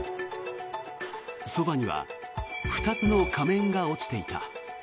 そばには２つの仮面が落ちていた。